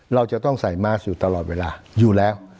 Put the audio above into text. เราจะต้องใส่มาสอยู่ตลอดเวลาอยู่แล้ว